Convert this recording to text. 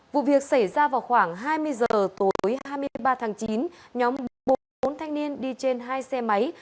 vụ việc xảy ra vào khoảng hai mươi h tối hai mươi ba tháng chín nhóm bốn thanh niên đi trên hai xe máy